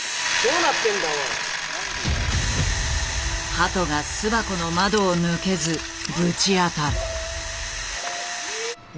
鳩が巣箱の窓を抜けずぶち当たる。